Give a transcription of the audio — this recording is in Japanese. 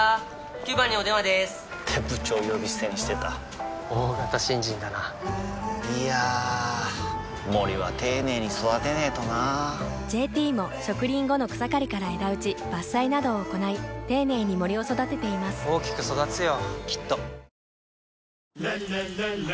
９番にお電話でーす！って部長呼び捨てにしてた大型新人だないやー森は丁寧に育てないとな「ＪＴ」も植林後の草刈りから枝打ち伐採などを行い丁寧に森を育てています大きく育つよ